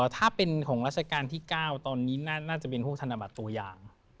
ถ้าเป็นของราชการที่๙ตอนนี้น่าจะเป็นพวกธนบัตรตัวอย่าง